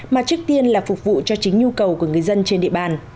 mà trước tiên là phục vụ cho chính nhu cầu của người dân trên địa bàn